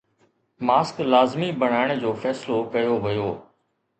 Mask لازمي بڻائڻ جو فيصلو ڪيو ويو.